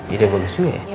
ide boleh su ya